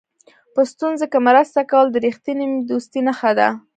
په ستونزو کې مرسته کول د رښتینې دوستۍ نښه ده.